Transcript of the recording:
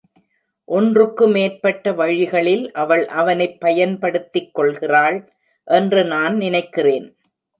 ஒன்றுக்கு மேற்பட்ட வழிகளில் அவள் அவனைப் பயன்படுத்திக் கொள்கிறாள் என்று நான் நினைக்கிறேன்.